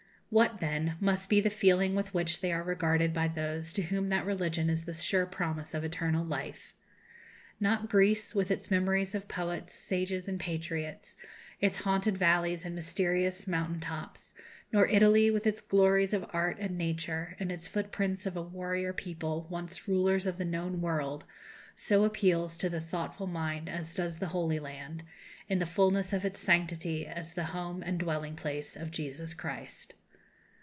What, then, must be the feeling with which they are regarded by those to whom that religion is the sure promise of eternal life? Not Greece, with its memories of poets, sages and patriots; its haunted valleys and mysterious mountain tops; nor Italy, with its glories of art and nature, and its footprints of a warrior people, once rulers of the known world, so appeals to the thoughtful mind as does the Holy Land, in the fulness of its sanctity as the home and dwelling place of Jesus Christ.